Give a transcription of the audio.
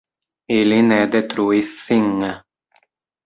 Ili ne detruis sin.